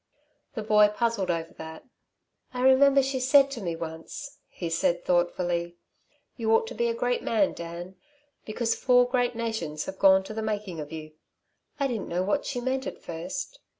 The boy puzzled over that. "I remember, she said to me once," he said, thoughtfully. "'You ought to be a great man, Dan, because four great nations have gone to the making of you.' I didn't know what she meant at first.